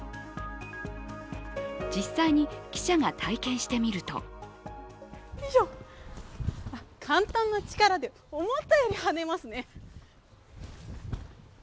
実際に、記者が体験してみると簡単な力で思ったより跳ねますね。